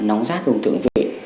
nóng rát vùng thưởng vị